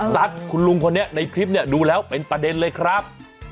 ตัดคุณลุงคนนี้ในคลิปเนี่ยดูแล้วเป็นประเด็นเลยครับ